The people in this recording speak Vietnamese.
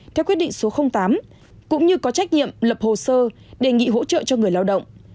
theo quyết định số tám cũng như có trách nhiệm lập hồ sơ đề nghị hỗ trợ cho người lao động